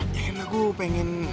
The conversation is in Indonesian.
ya kan aku pengen